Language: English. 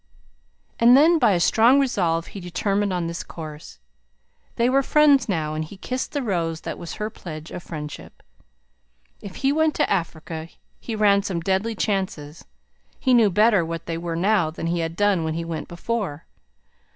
And then by a strong resolve he determined on this course. They were friends now, and he kissed the rose that was her pledge of friendship. If he went to Africa, he ran some deadly chances; he knew better what they were now than he had done when he went before.